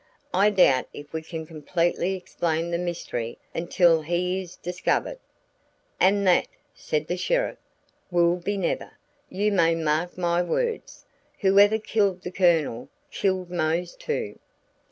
I doubt if we can completely explain the mystery until he is discovered." "And that," said the sheriff, "will be never! You may mark my words; whoever killed the Colonel, killed Mose, too."